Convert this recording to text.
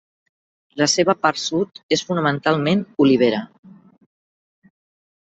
La seva part sud és fonamentalment olivera.